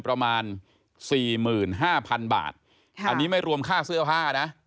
ประมาณสี่หมื่นห้าพันบาทอันนี้ไม่รวมค่าเสื้อผ้านะ